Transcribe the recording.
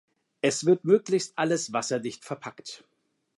Es wird möglichst alles wasserdicht verpackt.